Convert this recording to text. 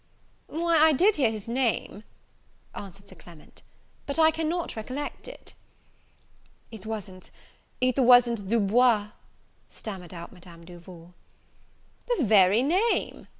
"Why I did hear his name," answered Sir Clement, "but I cannot recollect it." "It wasn't it wasn't Du Bois?" stammered out Madame Duval. "The very name!"